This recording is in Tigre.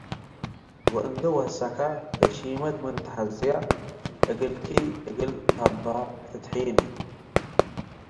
ወእንዴ ወሰ'ከ፤ “ለሺኺመት ምን ተሐዝ'የ፡ እግልኪ እግል ሀበ' ፍትሒኒ።